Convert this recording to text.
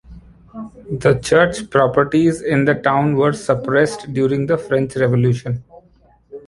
The church properties in the town were suppressed during the French Revolution.